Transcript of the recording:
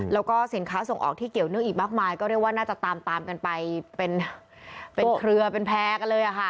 แล้วก็สินค้าส่งออกที่เกี่ยวเนื่องอีกมากมายก็เรียกว่าน่าจะตามตามกันไปเป็นเครือเป็นแพร่กันเลยค่ะ